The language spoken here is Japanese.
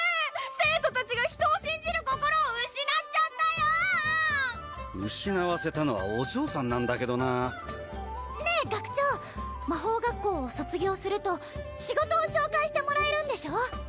生徒達が人を信じる心を失っちゃったよ失わせたのはお嬢さんなんだけどなねえ学長魔法学校を卒業すると仕事を紹介してもらえるんでしょ？